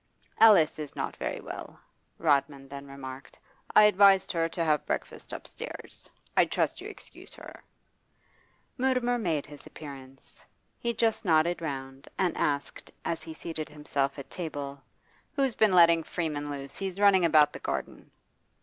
'Alice is not very well,' Rodman then remarked. 'I advised her to have breakfast upstairs. I trust you excuse her?' Mutimer made his appearance. He just nodded round, and asked, as he seated himself at table 'Who's been letting Freeman loose? He's running about the garden.